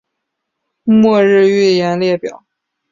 末日预言列表